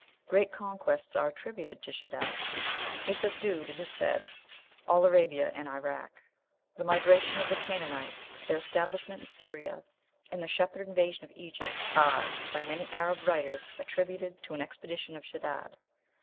Great conquests are attributed to Shedad; he subdued, it is said, all Arabia and Irak. The migration of the Canaanites, their establishment in Syria, and the Shepherd invasion of Egypt are, by many Arab writers, attributed to an expedition of Shedad."